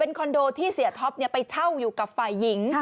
คอนโดที่เสียท็อปไปเช่าอยู่กับฝ่ายหญิง